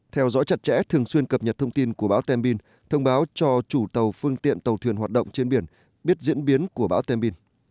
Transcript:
theo dõi chặt chẽ thường xuyên cập nhật thông tin của bão tembin thông báo cho chủ tàu phương tiện tàu thuyền hoạt động trên biển biết diễn biến của bão tembin